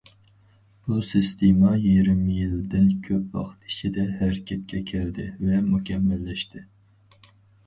بۇ سىستېما يېرىم يىلدىن كۆپ ۋاقىت ئىچىدە ھەرىكەتكە كەلدى ۋە مۇكەممەللەشتى.